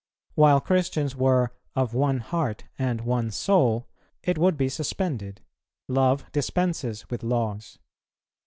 While Christians were "of one heart and one soul," it would be suspended; love dispenses with laws.